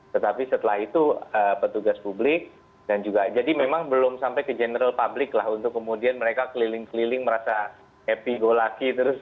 tetapi setelah itu petugas publik dan juga jadi memang belum sampai ke general public lah untuk kemudian mereka keliling keliling merasa happy go lucky terus